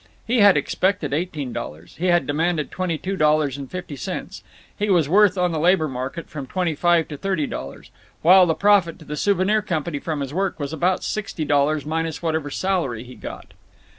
[He had expected eighteen dollars; he had demanded twenty two dollars and fifty cents; he was worth on the labor market from twenty five to thirty dollars; while the profit to the Souvenir Company from his work was about sixty dollars minus whatever salary he got.